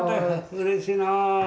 うれしいなあ。